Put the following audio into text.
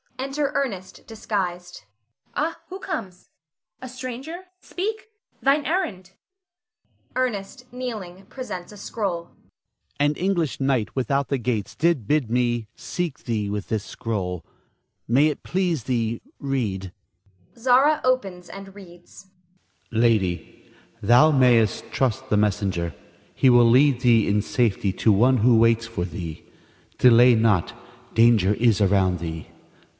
[Enter Ernest disguised.] Ah, who comes? A stranger. Speak! thine errand! Ernest [kneeling, presents a scroll]. An English knight without the gates did bid me seek thee with this scroll. May it please thee, read. Zara [opens and reads]. Lady, Thou mayst trust the messenger. He will lead thee in safety to one who waits for thee. Delay not; danger is around thee.